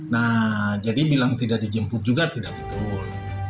nah jadi bilang tidak dijemput juga tidak betul